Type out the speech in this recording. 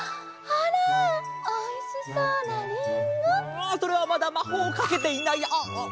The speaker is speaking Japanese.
ああそれはまだまほうをかけていないあっあっ。